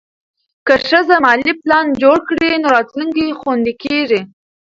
که ښځه مالي پلان جوړ کړي، نو راتلونکی خوندي کېږي.